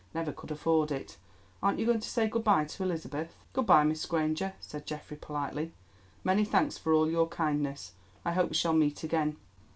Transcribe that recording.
Never could afford it. Aren't you going to say good bye to Elizabeth?" "Good bye, Miss Granger," said Geoffrey politely. "Many thanks for all your kindness. I hope we shall meet again."